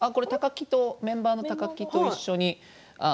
メンバーの高木と一緒に。